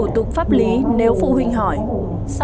dạ vâng đúng rồi ạ